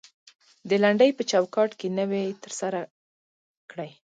د لنډۍ په چوکات کې نوى تر سره کړى.